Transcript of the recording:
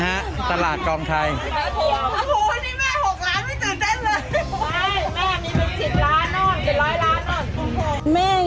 ใช่มึขังชิดล้านน้อยสิบร้อยล้านน้อย